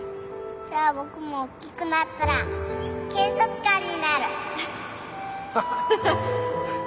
じゃあ僕も大きくなったら警察官になる！ハハハ。